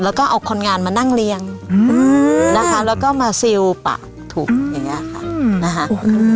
แล้วก็เอาคนงานมานั่งเลี้ยงอืมนะคะแล้วก็มาซีลปะถูกอย่างเงี้ยค่ะอืม